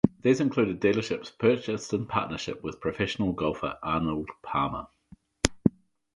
These included dealerships purchased in partnership with professional golfer Arnold Palmer.